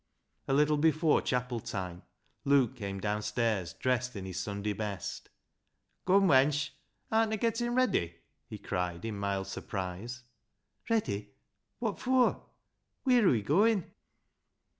A Httle before chapel time Luke came down stairs dressed in his Sunday best. " Come, wench, artna gettin' ready ?" he cried in mild surprise. " Ready ? Wot fur ? Wheer are we goin' ?